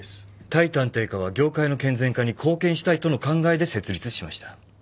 対探偵課は業界の健全化に貢献したいとの考えで設立しました。